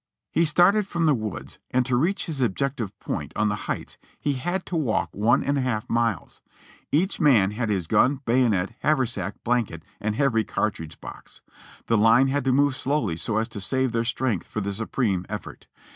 He started from the woods, and to reach his objective point on the heights he had to walk one and a half miles. Each man had his gun, bayonet, haversack, blanket, and heavy cartridge box. The line had to move slowly so as to save their strength for the supreme effort.